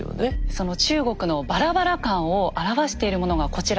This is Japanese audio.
その中国のバラバラ感を表しているものがこちらです。